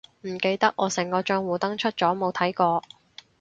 唔記得，我成個帳戶登出咗冇睇過